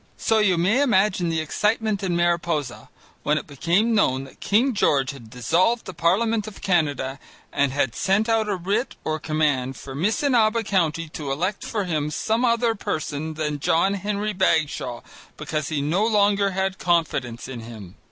So you may imagine the excitement in Mariposa when it became known that King George had dissolved the parliament of Canada and had sent out a writ or command for Missinaba County to elect for him some other person than John Henry Bagshaw because he no longer had confidence in him.